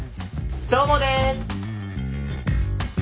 どうもです！